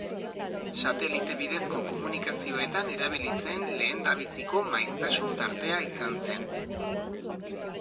Satelite bidezko komunikazioetan erabili zen lehendabiziko maiztasun tartea izan zen.